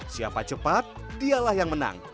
siapa cepat dialah yang menang